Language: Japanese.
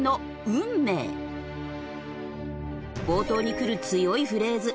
冒頭にくる強いフレーズ。